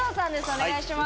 お願いします。